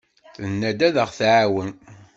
Tenna-d ad aɣ-tɛawen.